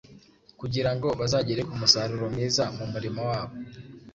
Kugira ngo bazagere ku musaruro mwiza mu murimo wabo,